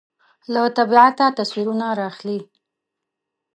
له طبیعته تصویرونه رااخلي